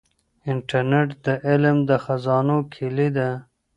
انټرنیټ د علم د خزانو کلي ده.